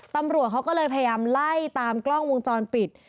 ตำรวจเขาก็เลยพยายามไล่ตามกล้องวงจรปิด